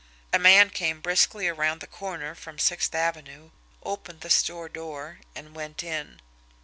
A man came briskly around the corner from Sixth Avenue, opened the store door, and went in.